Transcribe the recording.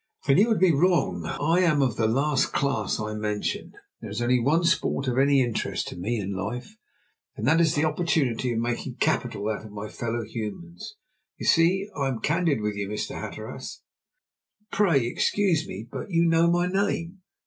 "And you would be wrong. I am of the last class I mentioned. There is only one sport of any interest to me in life, and that is the opportunity of making capital out of my fellow humans. You see, I am candid with you, Mr. Hatteras!" "Pray excuse me. But you know my name!